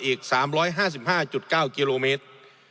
อีก๓๕๕๙กิโลเมตร